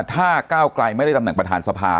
ถ้าก้าวไกลไม่ได้ตำแหน่งประธานสภา